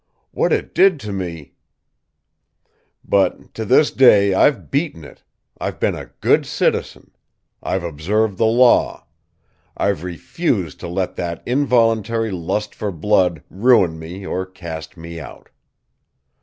What it did to me "But to this day I've beaten it! I've been a good citizen. I've observed the law. I've refused to let that involuntary lust for blood ruin me or cast me out.